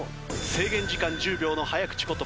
制限時間１０秒の早口言葉。